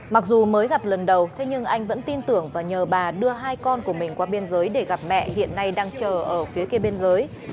mặc dù mới gặp lần đầu thế nhưng anh vẫn tin tưởng và nhờ bà đưa hai con của mình qua biên giới để gặp mẹ hiện nay đang chờ ở phía kia biên giới